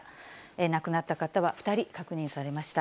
亡くなった方は２人確認されました。